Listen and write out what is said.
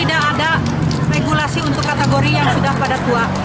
tidak ada regulasi untuk kategori yang sudah pada tua